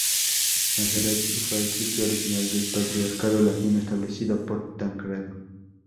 Nazaret fue el sitio original del Patriarcado Latino, establecido por Tancredo.